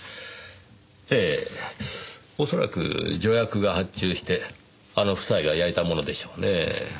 ええ恐らく助役が発注してあの夫妻が焼いたものでしょうね。